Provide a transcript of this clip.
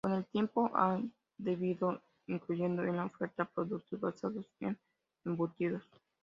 Con el tiempo ha venido incluyendo en la oferta productos basados en embutidos.